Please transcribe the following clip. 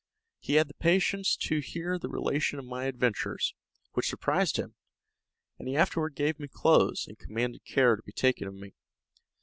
He had the patience to hear the relation of my adventures, which surprised him, and he afterward gave me clothes, and commanded care to be taken of me.